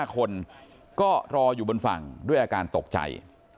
๕คนก็รออยู่บนฝั่งด้วยอาการตกใจ